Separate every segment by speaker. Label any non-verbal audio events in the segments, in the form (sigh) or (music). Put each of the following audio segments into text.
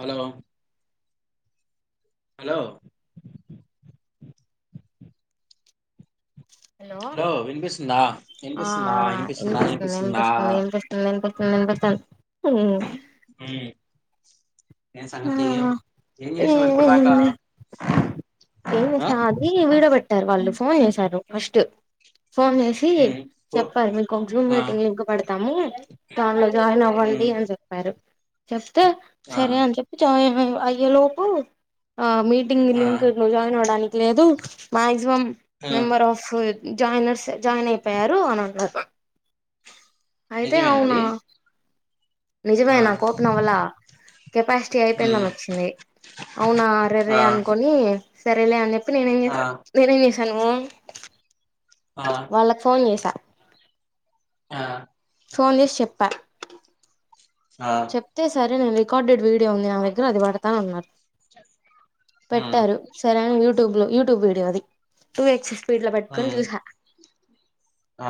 Speaker 1: Hello hello
Speaker 2: hello
Speaker 1: వినిపిస్తుందా
Speaker 2: ఆ
Speaker 1: వినిపిస్తుందా వినిపిస్తుందా
Speaker 2: ఏనిపిస్తుంది
Speaker 1: వినిపిస్తుందా
Speaker 2: ఏనిపిస్తుంది ఏంపిస్తుంది ఏనిపిస్తుందినిపిస్తుంది
Speaker 1: హ్మ్ ఏం సంగతి
Speaker 2: మ్మ్
Speaker 1: ఏం
Speaker 2: ఏ
Speaker 1: చేసావు ఇప్పుడు దాకా
Speaker 2: ఏం
Speaker 1: ఆ
Speaker 2: చేసా అది వీడో పెట్టారు వాళ్ళు ఫోన్ చేసారు ఫస్ట్ ఫోన్ చేసి
Speaker 1: హ్మ్ పో
Speaker 2: చెప్పారు మీకు జూమ్
Speaker 1: ఆ
Speaker 2: మీటింగ్ లింక్ పెడతాము దాంట్లో జాయిన్ అవ్వండి
Speaker 1: హ్మ్
Speaker 2: అని చెప్పారు చెప్ తే
Speaker 1: ఆ
Speaker 2: సరే చ అయిే లోపు ఆ మీటింగ్ ని
Speaker 1: ఆ
Speaker 2: లింక్ పెట్ జాయిన్ అవ్వడానికి లేదు మాక్సిమం
Speaker 1: ఆ
Speaker 2: నంబర్ ఆఫ్ జాయినర్స్ జాయిన్ అయిపోయారు అని అన్నారు అయితే
Speaker 1: నిజమేనా
Speaker 2: అవునా
Speaker 1: అది
Speaker 2: నిజమే
Speaker 1: ఆ
Speaker 2: నాక్ ఓపెన్ అవ్వాలా కెపాసిటీ
Speaker 1: హ్మ్
Speaker 2: అయిపోయిందని వచ్చింది అవునా
Speaker 1: ఆ
Speaker 2: అరేరే అనుకొని సరేలే అన్న అయితే నేన ఏం
Speaker 1: ఆ
Speaker 2: చేశా నేను ఐ చేశా సాను
Speaker 1: ఆ
Speaker 2: వాళ్ళకి ఫోన్ చేసా
Speaker 1: ఆ
Speaker 2: ఫోన్ జేసి చెప్ప
Speaker 1: ఆ
Speaker 2: చొప్తే సరే నంది కాడెడ్ వీక్ అదే ఉంది నా దగ్గర అది వడతావున్నారు
Speaker 1: హ్మ్
Speaker 2: పెట్టారు సరేైన యూట్యూబ్ లో యూట్యూబ్ వీడియో అది టూ ఎగ్సెస్ ఇట్ల పెట్టుకొని
Speaker 1: హ్మ్
Speaker 2: చూస
Speaker 1: ఆ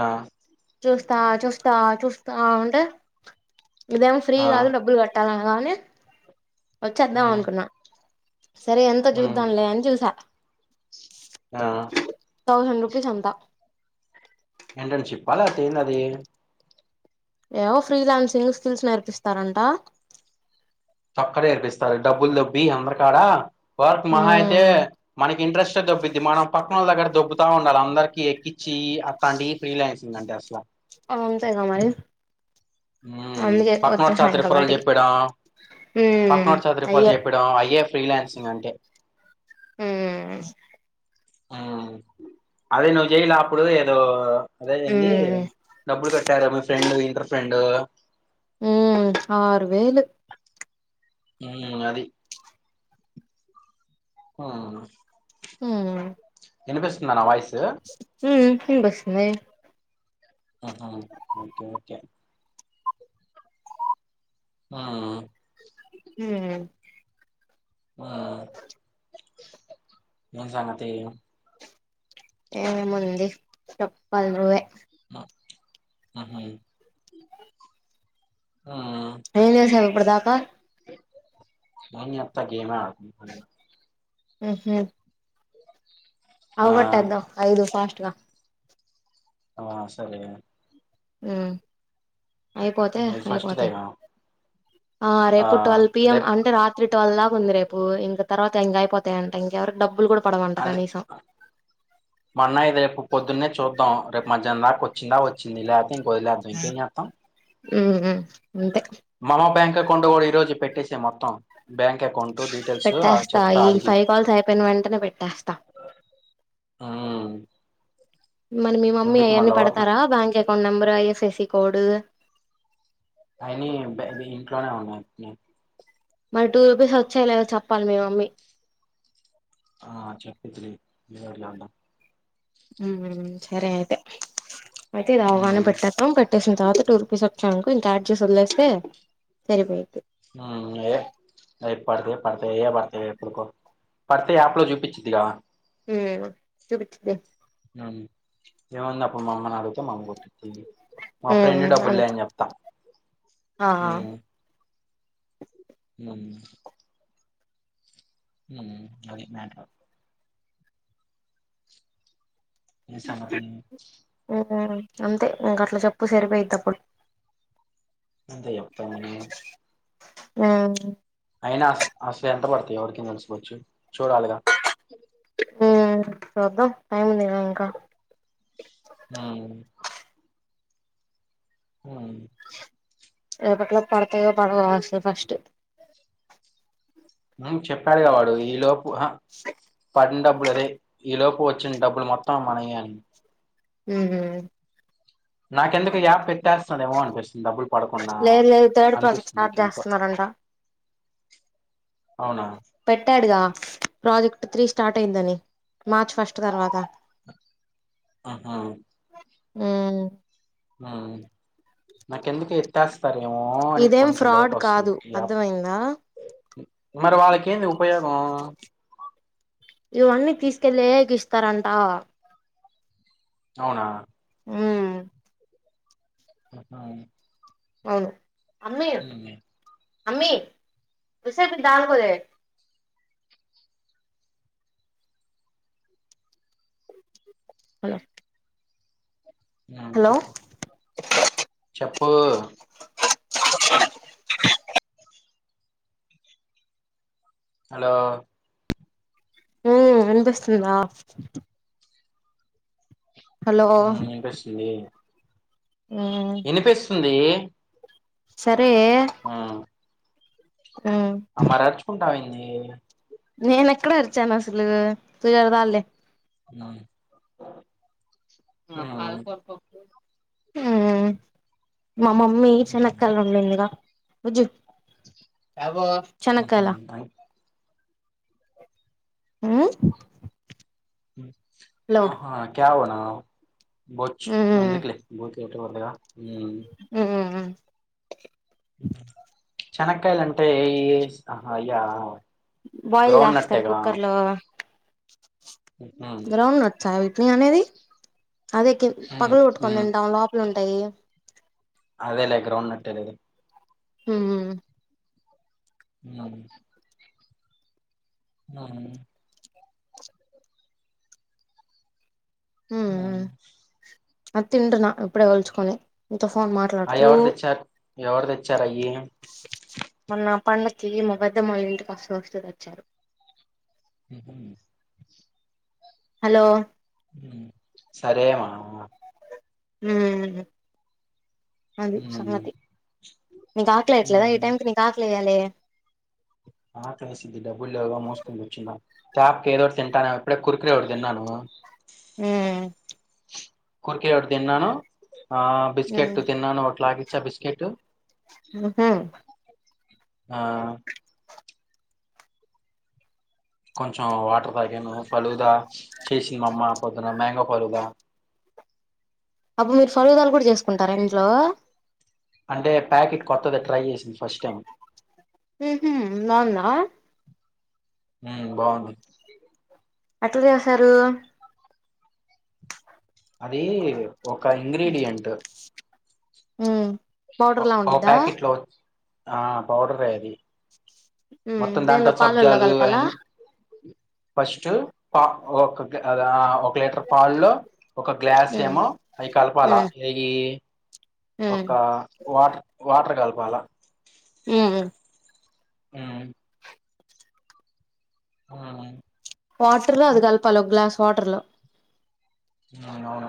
Speaker 2: చూస్తా చూస్తా చూస్త ఉంటే ఇదే ఫ్రీ
Speaker 1: ఆ
Speaker 2: కాదు డబ్బులు గట్టాల కాలే వచ్చేద్దాం
Speaker 1: హ్మ్
Speaker 2: అనుకున్నా సరే ఎంతో
Speaker 1: హ్మ్
Speaker 2: జూద్దాంలే అని చూసా
Speaker 1: ఆ
Speaker 2: అ చంత
Speaker 1: ఎంటర్ చ్చిప్పా లేకపోతే ఏంది అది
Speaker 2: ఏవో ఫ్రీ లాన్సింగు స్కిల్స్ నేర్పిస్తారంట
Speaker 1: అక్కడే ఏర్పిస్తారు డబ్బులు దొబ్బి అందరకాడా వర్క్ మహ అయితే
Speaker 2: ఉమ్
Speaker 1: మనకి ఇంట్రెస్టే దొబ్బిద్ది మనం పక్క వాల్ల దగ్గట్ట దొబ్బుతా ఉండాల అందరికీఎక్కి చి అట్లాంటి ఫ్రీలైన్స్ తిన్నంటి అస్సల
Speaker 2: అంతేగా మరి అందుకే
Speaker 1: పక్కనోడి
Speaker 2: వచ్చేసా
Speaker 1: చాత
Speaker 2: ఇంకా
Speaker 1: రిఫరల్
Speaker 2: బయటికి
Speaker 1: చెప్పడా
Speaker 2: ఉమ్
Speaker 1: పక్కనోడి చాత
Speaker 2: అయ్యే
Speaker 1: రిఫరల్ చెప్పాడా ఐఏఫ్ ఫ్రీలన్స్ ఇంగంతే
Speaker 2: ఊ
Speaker 1: ఉ అదే నువ్వు జేయలా అప్పుడు ఏదో అదే ఏంది
Speaker 2: ఉమ్
Speaker 1: డబ్బులు కట్టారు మీ ఫ్రెండు ఇంటర్ ఫ్రెండ్ డ
Speaker 2: ఉ ఆరు వేలు
Speaker 1: ఊ అది ఆ
Speaker 2: హ
Speaker 1: వినిపిస్తుంద నా వాయిస్
Speaker 2: హూ మ్ బస్ నే
Speaker 1: ఆహా ఓకే ఓకే ఆ
Speaker 2: హ
Speaker 1: ఆ ఏం సంగతి
Speaker 2: ఏ ముంది చెప్పాలి నువ్వే
Speaker 1: ఆహా ఆ
Speaker 2: ఇప్పటిదాకా
Speaker 1: నేను మీ అత్త గేమ
Speaker 2: ఆహా
Speaker 1: ఆ
Speaker 2: అవకొట్టేద్దాం ఐదు ఫాస్ట్ లా
Speaker 1: ఆ సరే అండి
Speaker 2: ఆ అయిపోతే
Speaker 1: ఇది
Speaker 2: అయిపోతే
Speaker 1: ఫస్ట్దేగా
Speaker 2: ఆ రేపు ట్వెల్వ్ పిఎం
Speaker 1: రేపు
Speaker 2: అంటే రాత్రి ట్వల్వ్ లాగా ఉంది రేపు ఇంక తర్వాత టెంగా అయిపోయాంట డబ్బులు కూడా పడవంట
Speaker 1: అది
Speaker 2: కనీసం
Speaker 1: మా అన్నయ్య రేపు పొద్దున్నే చూద్దాం రేపు మధ్యానం దాక వచ్చిందా వచ్చింది ల్యా ఇంకా వదిలేద్దాం ఇంకా ఏం చేత్తం
Speaker 2: ఉమ్ అంతే
Speaker 1: మమ బ్యాంక్ కొండు కూడా ఈ రోజు పెట్టేసే మొత్తం బ్యాంక్ అకౌంట్ డీటెయిల్స్
Speaker 2: పెట్టేస్తా
Speaker 1: చెప్తా
Speaker 2: ఈ
Speaker 1: అడిగి
Speaker 2: ఫైవ్ కాల్స్ అయిపోయిన వెంటనే పెట్టేస్తా మరి మీ మమ్మీ
Speaker 1: ఎందుకు
Speaker 2: అవన్నీ
Speaker 1: మళ్ళా వర్క్
Speaker 2: పెడతారా back phone number I F S C code
Speaker 1: అయిని ఇంట్లోనే ఉన్నాయి నను
Speaker 2: మరి టూ రూపీస్ వచ్చాయి లేదో చెప్పాలి మీ మమ్మీ
Speaker 1: ఆ చెప్పిద్దిలే ఏదో ఒకటి చేద్దం
Speaker 2: ఉ సరే అయితే అయితే రావగానే
Speaker 1: ఉమ్
Speaker 2: పెట్టేద్దాం పెట్టేసిన తర్వాత టూ రూపీస్ వచ్చాయనుకో ఇంకా యాడ్ చేసి వదిలేస్తే సరి పోయిద్ది
Speaker 1: ఉ ఏ పడితే పడతాయ్ అవ్వే పడతాయ్ ఎప్పుడుకో పడితే యాప్ లో చూపించిదిగా
Speaker 2: హ చూపించది
Speaker 1: ఉమ్ ఏముంది అప్పుడు మా అమ్మ నీ అడిగితే మా అమ్మ కొట్టిద్దే మా ఫ్రెండ్
Speaker 2: ఉమ్
Speaker 1: డబ్బు లే
Speaker 2: అంతే
Speaker 1: అని చెప్తాం
Speaker 2: ఆ
Speaker 1: ఉమ్ అది మ్యాటర్ ఈ సంగతి
Speaker 2: అంతే ఇంకా అట్ల చెప్పు ఉప్పు సరిపోయితప్పుడు
Speaker 1: అంతా చెప్తామా
Speaker 2: ఆ
Speaker 1: ఎవరికి నచ్చకపోవచ్చు. చూడాలిగా.
Speaker 2: ఉ చూద్దాం టై ఉందిగా ఇంకా
Speaker 1: ఉమ్ అవును
Speaker 2: రేపటిలోపు పడతాయో పడవో అసలు ఫస్ట్
Speaker 1: చెప్పాడు గా వాడు ఈ లోపు హ పడని డబ్బులు ఒరే ఈలోపు వచ్చి డబ్బులు మొత్తం మన యే అని
Speaker 2: ఉం
Speaker 1: నాకెందుకో ఈ యాప్ ఎత్తేస్తారేమో అని అనిపిస్తుంది డబ్బులు పడకుండా
Speaker 2: లేదు లేదు థర్డ్ ప్రాజెక్ట్
Speaker 1: అనిపిస్తుంది
Speaker 2: స్టార్ట్
Speaker 1: నాకెందుకో
Speaker 2: చేస్తున్నారంట.
Speaker 1: (inaudible)
Speaker 2: పెట్టాడుగా.. ప్రాజెక్ట్ త్రీ స్టార్ట్ అయిందని మార్చ ఫస్ట్ తర్వాత.
Speaker 1: ఆహా
Speaker 2: ఉ
Speaker 1: నాకెందుకు ఎత్తేస సరేమో అని
Speaker 2: ఇదేం
Speaker 1: కొంచెం
Speaker 2: ఫ్రాడ్
Speaker 1: డౌట్
Speaker 2: కాదు
Speaker 1: వస్తుంది. ఈ యాప్
Speaker 2: అర్థమయిందా
Speaker 1: మరి వాళ్ళకెంది. పోయాము
Speaker 2: ఇవన్నీ తీసుకెళ్లే గి ఇస్తారంట.
Speaker 1: అవునా.
Speaker 2: ఉ
Speaker 1: అవునా
Speaker 2: అవును.
Speaker 1: ఉ
Speaker 2: అమ్మి విషపూ పిన్ని దారములే హలో
Speaker 1: ఉ చెప్ప చెప్పు హలో.
Speaker 2: ఉ వినిపిస్తుందా. హలో
Speaker 1: ఉ వినిపిస్తుంది.
Speaker 2: ఉ
Speaker 1: దీ
Speaker 2: సరే.
Speaker 1: ఆ
Speaker 2: మ్మ్
Speaker 1: అ మరి అర్చకుంటావ్ ఏ అ
Speaker 2: నేను ఎక్కడ అరిచాను అసలు ఇగ చాల్లే
Speaker 1: ఆ
Speaker 2: ఆ పాలకూర పప్పు ఊ మా మమ్మీ చెనక్కయాలు వండింది గా వుజ్జు బ చెనక్కాల ఊం?
Speaker 1: ఆహా క్యా ఉనా అవు బోచ్
Speaker 2: మ్మ్
Speaker 1: ఎందుకులే పిన్షన్ పడ్డాయా ఉ
Speaker 2: మ్మ్
Speaker 1: ఇ చెనక్కయలు అంటే ఏయ్ యి హహ అయ్యా
Speaker 2: బాయిల్
Speaker 1: గ్రౌండ్
Speaker 2: రాస్తారు
Speaker 1: నట్టేగా
Speaker 2: కుక్కర్ లో
Speaker 1: ఉహు.
Speaker 2: గ్రౌండ్ నట్సా వీట్ని అనేది అదే
Speaker 1: ఉమ్,
Speaker 2: పగల్ గొట్టుకొని
Speaker 1: ఉమ్.
Speaker 2: తింటాం లోపల ఉంట అయి
Speaker 1: అదేలేే గ్రౌం నట్ట్ ఏలే (inaudible)
Speaker 2: హ్మ్
Speaker 1: ఉం ఆ ఆ
Speaker 2: అద్ తింటున ఇప్పుడే ఒల్చుకని
Speaker 1: అ ఎవరి తెచ్చారు ఎవరి తెచ్చార అయ్యి
Speaker 2: పండుక్కి మ పెద్దమోళ్ళు ఇంటికి ఒస్తూ ఒస్తు తెచ్చారు
Speaker 1: (inaudible)
Speaker 2: హలో
Speaker 1: సరే మ
Speaker 2: హ్మ్ అది సంగతి నీకు ఆకలియట్లేదా ఈ టైంకిి నీ ఆకలి ఎయ్యాలే
Speaker 1: ఆ తెసింది డబ్బులు లేవు గా మూసుకూర్చున్న టాపకి ఏదోటి తింటాను ఇప్పుడే కురుకురే ఒకటి తిన్నాను
Speaker 2: మ్
Speaker 1: కుర్కిరే ఒకటి తిన్నాను ఆ
Speaker 2: హ్మ్
Speaker 1: బిస్కెట్ తిన్నను ఒకట్లగి చ బిస్కెట్
Speaker 2: ఉహూ
Speaker 1: ఆ కొంచెం వాటర్ తాగాను ఫలూదా చేసింది మామ్మ పొద్దున మేంగొ ఫలూదా
Speaker 2: అబ మీరు (inaudible) కూడా చేసుకుంటారా ఇంట్లో
Speaker 1: అంటే ప్యాకెట్ కొత్తది ట్రై చేసింది ఫస్ట్ టైం
Speaker 2: ఉహుం బాగుందా
Speaker 1: హ బాగుంది
Speaker 2: ఎట్లా చేసారు
Speaker 1: అదీ ఒక ఇంగ్రీడియంట్
Speaker 2: ఉమ్ పౌడర్లా
Speaker 1: ఒక
Speaker 2: ఉండిద్దా
Speaker 1: ప్యాకెట్ లో ఆ పౌడర్ ఏ అది
Speaker 2: మ్
Speaker 1: మొత్తం దాంట్లో
Speaker 2: దేన్లో పాలల్లో
Speaker 1: సబ్జాలు
Speaker 2: కలపాలా
Speaker 1: అవన్నీ ఫస్ట్ పా ఒక గ అద ఆ ఒక లీటర్ పాలుల్లో ఒక గ్లాస్
Speaker 2: ఉమ్
Speaker 1: ఏమో అయి కలపాలా
Speaker 2: ఉమ్
Speaker 1: ఏయీ ఒక
Speaker 2: ఉమ్
Speaker 1: వాటర్ వాటర్ కల్పు పాల
Speaker 2: ఉ
Speaker 1: ఉమ్ ఆ
Speaker 2: వాటర్ లో అది కలపాల ఒక గ్లాస్ వాటర్ లో
Speaker 1: ఆ అవును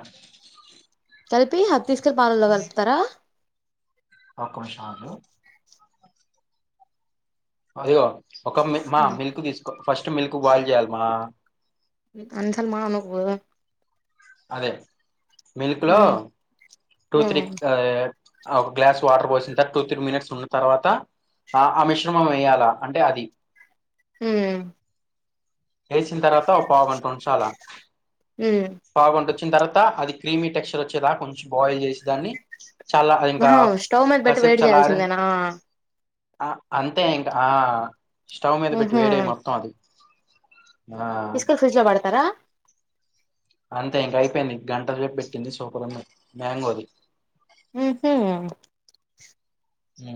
Speaker 2: కలిపి అది తీసుకెళ్లి పాలల్లో కలపా తర
Speaker 1: అ కొన్నీసాలు అయ్యో ఒక మ మా మిల్క్ తీసుకో ఫస్ట్ మిల్క్ బాయిల్ చెయ్యలామా
Speaker 2: అన్నిసార్లు మన నకు పో
Speaker 1: అదే మిల్క్ లో
Speaker 2: ఉమ్
Speaker 1: టూ త్రీ
Speaker 2: ఉమ్
Speaker 1: ఒక గ్లాస్ వాటర్ పోసిన తర్వాత టూ త్రీ మినిట్స్ ఉన్న తర్వాత ఆ ఆ మిశ్రమం వేయాలా అంటే అది
Speaker 2: హ
Speaker 1: వేసిన తర్వాత పావుగంట వంచలా
Speaker 2: అ
Speaker 1: వచ్చిన తర్వాత అది క్రీమీ టెక్స్చర్ వచ్చేదాక కొంచెం బాయిల్ చేసే దాన్ని చాలా అది ఇంకా
Speaker 2: ఆ స్టవ్ మీద పేట్టి
Speaker 1: కాసేపు
Speaker 2: వేడి
Speaker 1: చల్లారిన్
Speaker 2: చేయాల్సిందేనా
Speaker 1: ఆ అంతే ఇంకా ఆ స్టవ్ మీద పెట్టి వేడేయి మొత్తం అది ఆ
Speaker 2: (unintelligible) ఫ్రిజ్ లో పెడుతారా
Speaker 1: అంతే ఇంకా అయిపోయింది గంట రేపు పెట్టింది సూపర్ ఉంది మ్యాంగోది
Speaker 2: ఆహ
Speaker 1: హ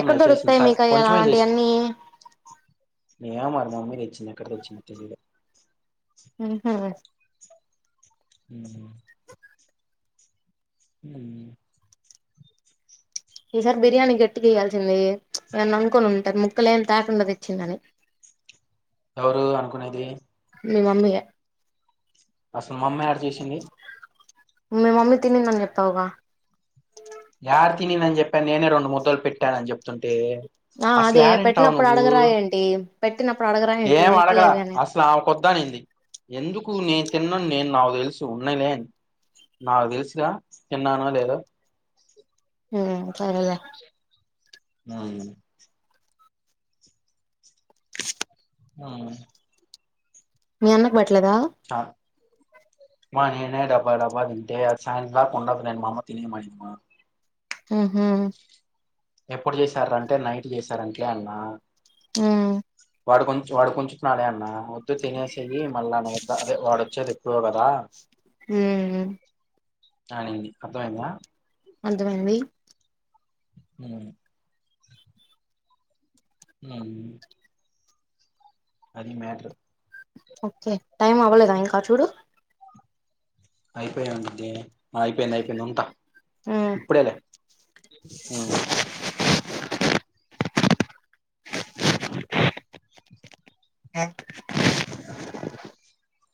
Speaker 2: ఎక్కడ దొరుకుతాయి మీకు అవి అలాంటివన్నీ
Speaker 1: ఏమో మర మా మమ్మీ తేచ్చంది ఎక్కడ తెచ్చింది తెలీదు
Speaker 2: ఉ
Speaker 1: హ
Speaker 2: ఈసారి బిర్యానీ గట్టిగా ఇయయాల్సింది ఏమన్నా అనుకని ఉంటారు ముక్కలు ఏమి తాకుండా తెచ్చిందని
Speaker 1: ఎవరు అనుకునేది
Speaker 2: మీ మమ్మగా
Speaker 1: అసలు మా అమ్మ యాడ చేసింది
Speaker 2: మీ మమ్మీ తినింది అని చెప్ప్పవుగా
Speaker 1: (unintelligible) చెప్ప్య నేను రెండు ముద్దలు పెట్టాన అని చెప్తుంటే
Speaker 2: ఆ
Speaker 1: అసలు
Speaker 2: అదే
Speaker 1: యాడింటావు
Speaker 2: పెట్టినప్పుడు
Speaker 1: నువ్వు
Speaker 2: అడగరాయంంటి పెట్టినప్పుడు అడగరాయంంటి ముక్కలేవి అని
Speaker 1: ాంది ఎందుకు నేను తిన్నాను నేను నాకు తెలుసు ఉన్నాయిలేని నాకు తెలుసుగా తిన్నానో లేదో
Speaker 2: ఆ సరేలే
Speaker 1: ఆ ఆ
Speaker 2: మీ అన్నకు బట్ ట్లేద
Speaker 1: ఆ, మా నేనే డబ్బా డబ్బా తింటే అ సాయంత దాకా ఉండదు మా అమ్మ తిినయ మనింది మా
Speaker 2: ఆహా
Speaker 1: ఎప్పుడు చేసారు అంటే నైట్ చేసారట్లే అన్నా
Speaker 2: ఆ
Speaker 1: వాడు కొంచ వాడు కొంచున్నాాలే అన్నా వద్దు తినేసియ్య మళ్ళా న అదే వాడు వచ్చేది ఎప్పుడో పోగదా
Speaker 2: హ
Speaker 1: ఆ అండి అర్థం అయిందా
Speaker 2: అర్థమైంది
Speaker 1: అ హ అది మటర్
Speaker 2: ఓకే టైమ్ అవ్వలేదా ఇంకా చూడు
Speaker 1: అయిపోయి అంట అయిపోయింది అయిపోయింది ఉంటా
Speaker 2: ఉమ్
Speaker 1: ఇప్పుడిలే మ్